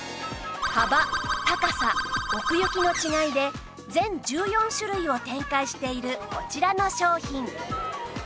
幅高さ奥行きの違いで全１４種類を展開しているこちらの商品